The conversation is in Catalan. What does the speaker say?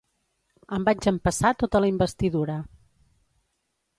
Em vaig empassar tota la investidura.